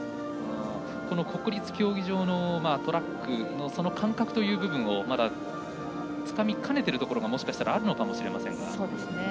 国立競技場のトラックの感覚という部分をまだ、つかみかねているところがもしかしたらあるかもしれません。